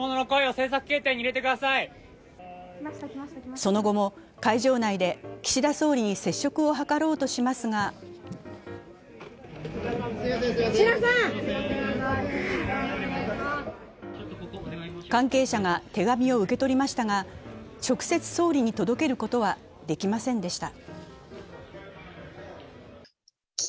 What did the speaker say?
その後も会場内で岸田総理に接触を図ろうとしますが関係者が手紙を受け取りましたが、直接、総理に届けることはできませんでした。